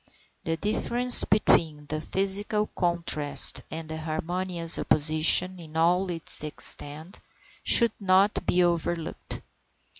The difference between the physical contrast and harmonious opposition in all its extent should not be overlooked.